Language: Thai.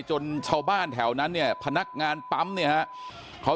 ต้องมาป้องเพื่อนมาปกป้องเพื่อน